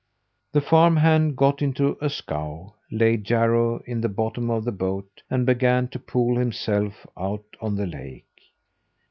The farm hand got into a scow, laid Jarro in the bottom of the boat, and began to pole himself out on the lake.